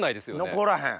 残らへん。